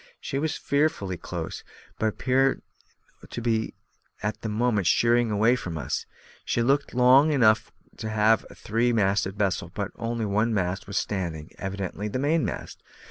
She was fearfully close, but appeared to be at the moment sheering away from us. She looked long enough for a three masted vessel, but one mast only was standing, evidently the mainmast.